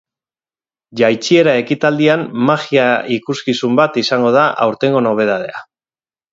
Jaitsiera ekitaldian magia ikuskizun bat izango da aurtengo nobedadea.